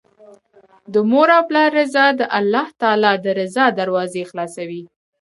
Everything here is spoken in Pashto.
د مور او پلار رضا د الله تعالی د رضا دروازې خلاصوي